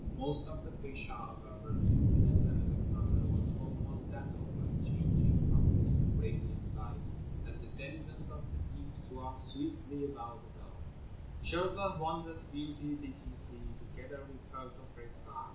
Most of the fish, however, were luminous, and Alexander was almost dazzled by the changing of the brilliant lights as the denizens of the deep swam swiftly around the bell. Shells of wondrous beauty did he see, together with pearls of great size.